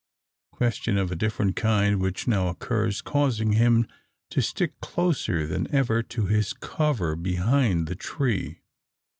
Question of a different kind which now occurs, causing him to stick closer than ever to his cover behind the tree.